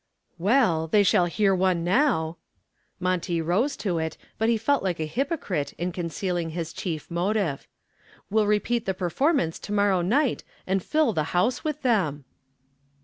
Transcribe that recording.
"Well, they shall hear one now." Monty rose to it, but he felt like a hypocrite in concealing his chief motive. "We'll repeat the performance to morrow night and fill the house with them."